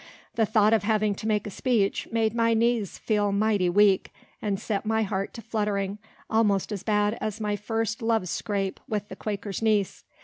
The thought of having to make a speech made my knees feel mighty weak, and set my heart to fluttering almost as bad as my first love scrape with the Quaker's niece.